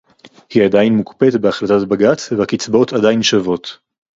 "היא עדיין מוקפאת בהחלטת בג"ץ והקצבאות עדיין שוות"